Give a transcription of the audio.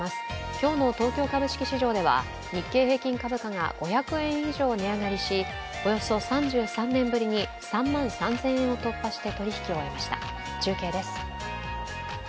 今日の東京株式市場では日経平均株価が５００円以上値上がりし、およそ３３年ぶりに３万３０００円を突破して取引を終えました、中継です。